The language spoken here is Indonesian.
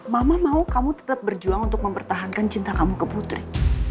mama mau kamu tetap berjuang untuk mempertahankan cinta kamu ke putri